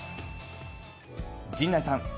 陣内さん。